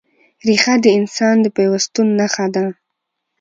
ریښه د انسان د پیوستون نښه ده.